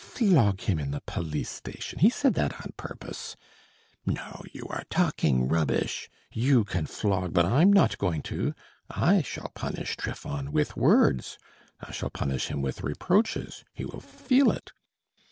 'Flog him in the police station,' he said that on purpose. No, you are talking rubbish; you can flog, but I'm not going to; I shall punish Trifon with words, I shall punish him with reproaches, he will feel it.